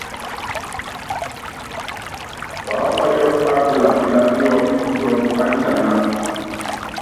Paápayɔ́ á kula pilaá piɔ́p pi putɔ́mb á kitaŋá.